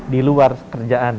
di luar kerjaan ya